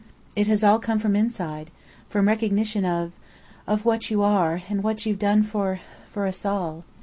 "It has all come from inside. From recognition of of what you are, and what you've done for for us all.